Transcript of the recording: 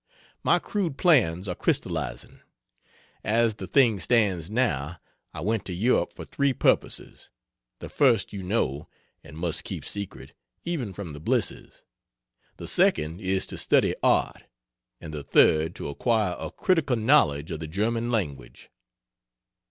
My crude plans are crystalizing. As the thing stands now, I went to Europe for three purposes. The first you know, and must keep secret, even from the Blisses; the second is to study Art; and the third to acquire a critical knowledge of the German language.